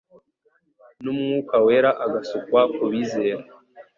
n'Umwuka wera agasukwa ku bizera,